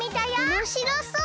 おもしろそう。